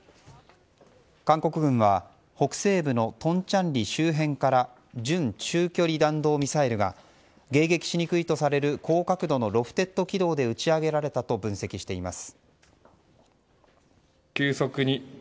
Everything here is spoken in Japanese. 韓国軍は北西部のトンチャンリ周辺から準中距離弾道ミサイルが迎撃しにくいとされる高角度のロフテッド軌道で打ち上げられたと分析しています。